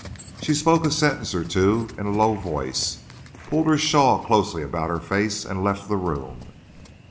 She spoke a sentence or two in a low voice, pulled her shawl closely about her face, and left the room.